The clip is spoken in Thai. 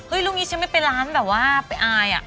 เอาไฉ้ไม่เป็นร้านแบบว่าไปอายอะ